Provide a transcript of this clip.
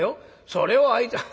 それをあいつら」。